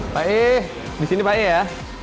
pak e di sini pak e ya